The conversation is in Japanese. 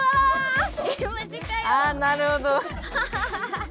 あなるほど。